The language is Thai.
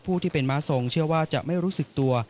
ผู้ที่เป็นม้าทรงเชื่อว่าจะไม่รู้สึกตัว